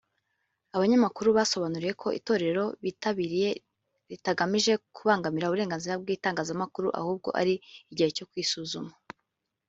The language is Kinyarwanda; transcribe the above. Abanyamakuru basobanuriwe ko itorero bitabiriye ritagamije kubangamira uburenganzira bw’itangazamakuru ahubwo ari igihe cyo kwisuzuma